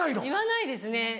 言わないですね。